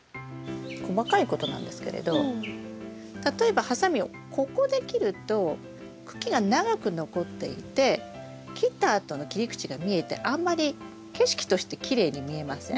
細かいことなんですけれど例えばハサミをここで切ると茎が長く残っていて切ったあとの切り口が見えてあんまり景色としてきれいに見えません。